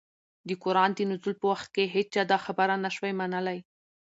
د قرآن د نزول په وخت كي هيچا دا خبره نه شوى منلى